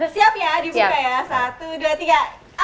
siap ya dibuka ya satu dua tiga